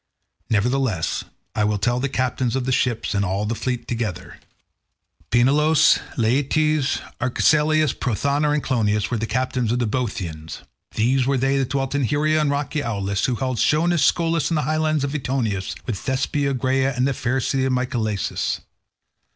Nevertheless, I will tell the captains of the ships and all the fleet together. Peneleos, Leitus, Arcesilaus, Prothoenor, and Clonius were captains of the Boeotians. These were they that dwelt in Hyria and rocky Aulis, and who held Schoenus, Scolus, and the highlands of Eteonus, with Thespeia, Graia, and the fair city of Mycalessus.